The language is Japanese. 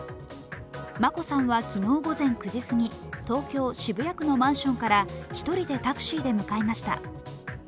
眞子さんは昨日午前９時すぎ東京・渋谷区のマンションから１人でタクシーで向かいました。